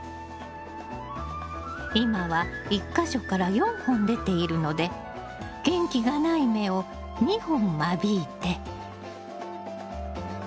今は１か所から４本出ているので元気がない芽を２本間引いて。